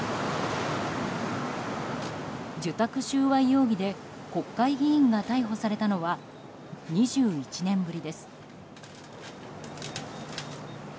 受託収賄容疑で国会議員が逮捕されたのは２１年ぶりです。